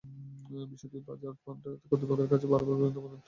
বিষয়টি বাজার ফান্ড কর্তৃপক্ষের কাছে বারবার আবেদন করেও কোনো সাড়া পাওয়া যায়নি।